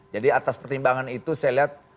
jadi atas pertimbangan itu saya lihat